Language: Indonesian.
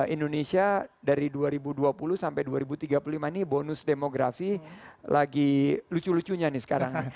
indonesia dari dua ribu dua puluh sampai dua ribu tiga puluh lima ini bonus demografi lagi lucu lucunya nih sekarang